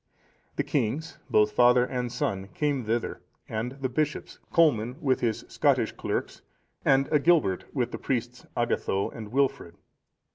The kings, both father and son, came thither, and the bishops, Colman with his Scottish clerks, and Agilbert with the priests Agatho and Wilfrid.